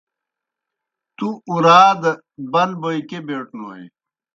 تُوْ اُراد بن بوئے کیْہ بیٹونوئے؟